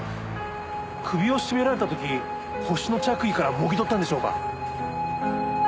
首を絞められた時ホシの着衣からもぎ取ったんでしょうか？